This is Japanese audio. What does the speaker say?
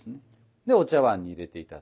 でお茶碗に入れて頂く。